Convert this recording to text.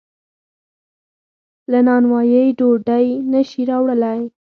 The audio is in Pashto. له نانوایۍ ډوډۍ نشي راوړلی.